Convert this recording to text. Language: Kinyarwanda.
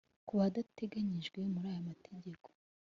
Kubadateganyijwe muri aya mategeko